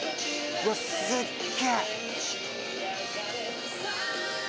うわすっげ。